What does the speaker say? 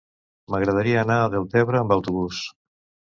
M'agradaria anar a Deltebre amb autobús.